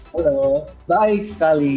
halo baik sekali